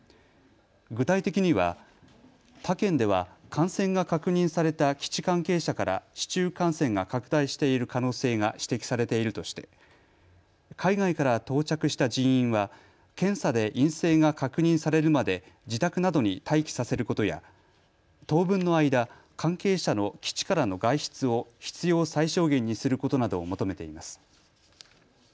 具体的には他県では感染が確認された基地関係者から市中感染が拡大している可能性が指摘されているとして海外から到着した人員は検査で陰性が確認されるまで自宅などに待機させることや当分の間、関係者の基地からの外出を必要最小限にすることなどを求めています。